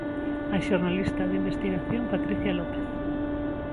A xornalista de investigación Patricia López.